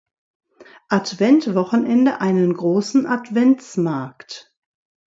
Advent-Wochenende einen großen Adventsmarkt.